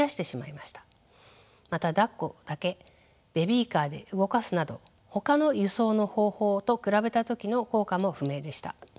まただっこだけベビーカーで動かすなどほかの輸送の方法と比べた時の効果も不明でした。